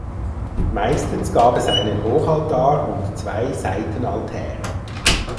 Meistens gab es einen Hochaltar und zwei Seitenaltäre.